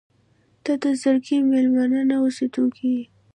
• ته د زړګي مېلمانه نه، اوسېدونکې یې.